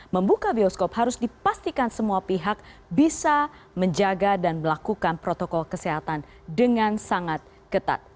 membuka bioskop harus dipastikan semua pihak bisa menjaga dan melakukan protokol kesehatan dengan sangat ketat